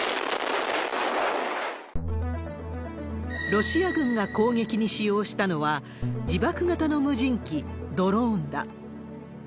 ロシア軍が攻撃に使用したのは、自爆型の無人機、ドローンだ。